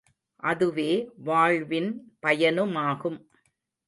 அதுவே வாழ்வின் பயனுமாகும்.